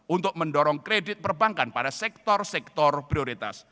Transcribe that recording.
untuk mendorong kredit perbankan pada sektor sektor prioritas